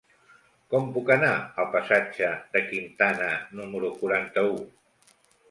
Com puc anar al passatge de Quintana número quaranta-u?